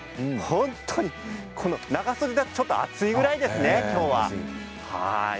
本当に長袖だとちょっと暑いぐらいです今日は。